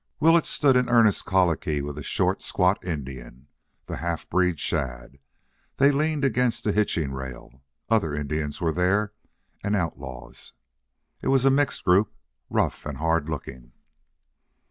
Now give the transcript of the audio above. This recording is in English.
Willetts stood in earnest colloquy with a short, squat Indian the half breed Shadd. They leaned against a hitching rail. Other Indians were there, and outlaws. It was a mixed group, rough and hard looking.